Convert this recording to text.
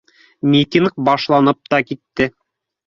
Митинг башланып та китте